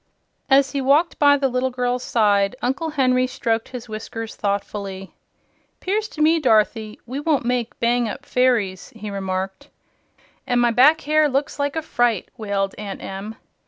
As he walked by the little girl's side, Uncle Henry stroked his whiskers thoughtfully. "'Pears to me, Dorothy, we won't make bang up fairies," he remarked. "An' my back hair looks like a fright!" wailed Aunt Em.